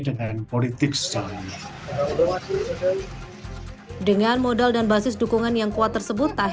dengan politik sejauh ini dengan modal dan basis dukungan yang kuat tersebut